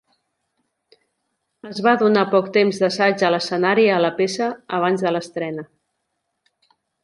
Es va donar poc temps d'assaig a l'escenari a la peça abans de l'estrena.